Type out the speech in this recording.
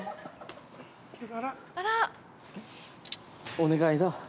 ◆お願いだ。